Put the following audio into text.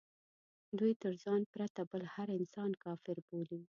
دوی تر ځان پرته بل هر انسان کافر بولي.